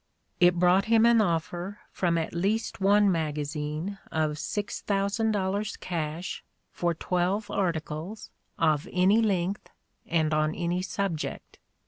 It brought him an offer from at least one magazine of "$6,000 cash for twelve articles, of any length and on any subject.